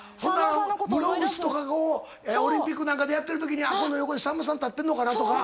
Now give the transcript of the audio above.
ほな室伏とかをオリンピックなんかでやってるときに「この横にさんまさん立ってるのかな？」とか。